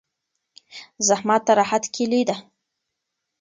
زحمت د راحت کیلي ده.